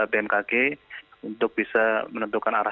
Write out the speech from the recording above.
bmkg untuk bisa menentukan arah